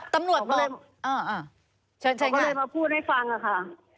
ผมก็เลยมาพูดให้ฟังค่ะ